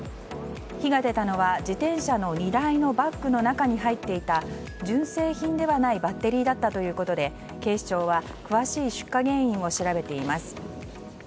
火が出たのは、自転車の荷台のバッグの中に入っていた純正品ではないバッテリーだったということで警視庁は詳しい出火原因を調べています。